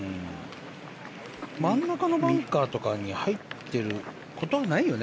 真ん中のバンカーとかに入ってることもないよね